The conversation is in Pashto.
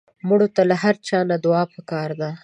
مړه ته له هر چا نه دعا پکار ده